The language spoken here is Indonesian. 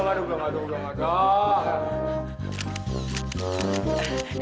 gak ada gak ada gak ada